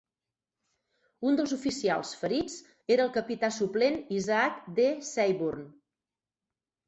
Un dels oficials ferits era el capità suplent Isaac D. Seyburn.